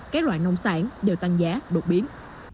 các loại nông sản đều tăng giá đột biến